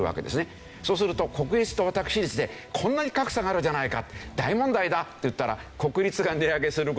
そうすると国立と私立でこんなに格差があるじゃないか大問題だっていったら。